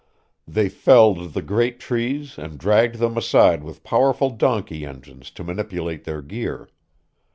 They felled the great trees and dragged them aside with powerful donkey engines to manipulate their gear.